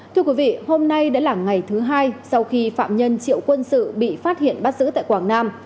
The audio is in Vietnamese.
thưa quý vị hôm nay đã là ngày thứ hai sau khi phạm nhân triệu quân sự bị phát hiện bắt giữ tại quảng nam